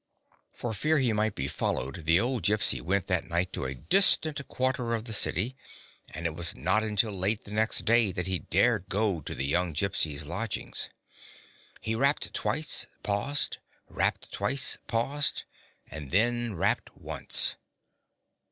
For fear he might be followed, the old Gypsy went that night to a distant quarter of the city, and it was not until late the next day that he dared go to the young Gypsy's lodgings. He rapped twice, paused, rapped twice, paused, and then rapped once.